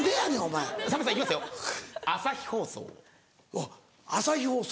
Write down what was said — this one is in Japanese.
おっ「朝日放送」。